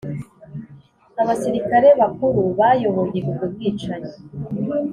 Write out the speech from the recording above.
abasirikari bakuru bayoboye ubwo bwicanyi